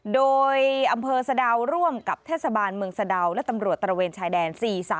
โดยอำเภอสะดาวร่วมกับเทศบาลเมืองสะดาวและตำรวจตระเวนชายแดน๔๓